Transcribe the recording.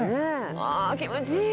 うわ気持ちいい！